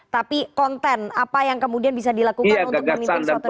tapi konten apa yang kemudian bisa dilakukan untuk memimpin sesuatu